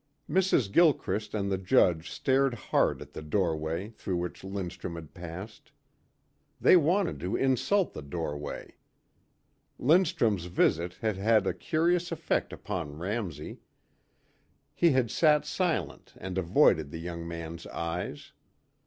Mrs. Gilchrist and the judge stared hard at the doorway through which Lindstrum had passed. They wanted to insult the doorway. Lindstrum's visit had had a curious effect upon Ramsey. He had sat silent and avoided the young man's eyes.